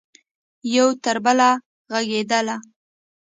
یو تربله ږغیدله